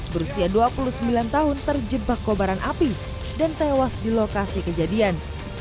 berusia dua puluh sembilan tahun terjebak kobaran api dan tewas di lokasi kejadian